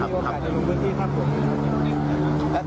เพื่อบ้านเกิดองค์ครับครับครับครับครับครับ